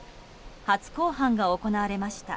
初公判が行われました。